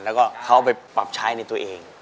แล้วก็เขาไปปรับใช้ในตัวเอง